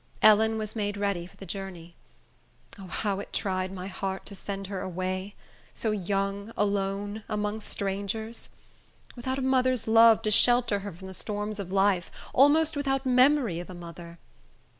Ellen was made ready for the journey. O, how it tried my heart to send her away, so young, alone, among strangers! Without a mother's love to shelter her from the storms of life; almost without memory of a mother!